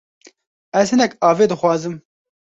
Ez hinek avê dixazim.